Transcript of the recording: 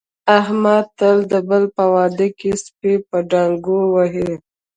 احمد تل د بل په واده کې سپي په ډانګو وهي.